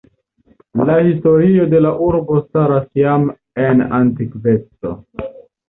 La historio de la urbo startas jam en antikveco.